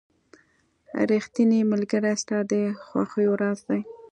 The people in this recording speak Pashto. • ریښتینی ملګری ستا د خوښیو راز دی.